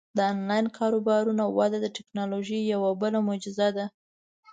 د آنلاین کاروبارونو وده د ټیکنالوژۍ یوه بله معجزه ده.